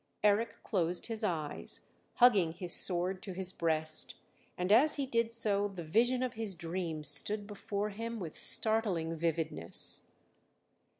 Eric closed his eyes, hugging his sword to his breast; and as he did so the vision of his dream stood before him with startling vividness.